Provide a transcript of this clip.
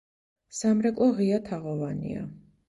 სამრეკლო ღია თაღოვანია.